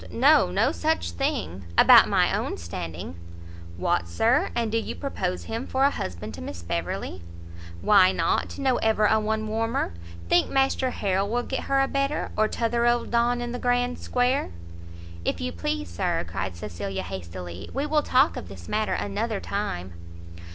no, no such thing; about my own standing." "What, Sir, and do you propose him for an husband to Miss Beverley?" "Why not? know ever a one warmer? think Master Harrel will get her a better? or t'other old Don, in the grand square?" "If you please, Sir," cried Cecilia hastily, "we will talk of this matter another time."